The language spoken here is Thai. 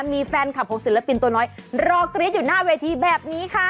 มีแฟนคลับของศิลปินตัวน้อยรอกรี๊ดอยู่หน้าเวทีแบบนี้ค่ะ